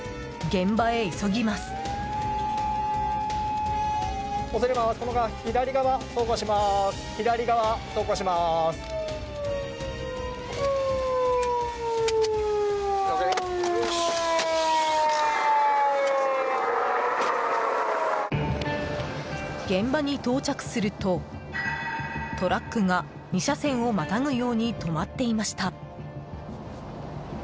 現場に到着するとトラックが２車線をまたぐように止まっていました。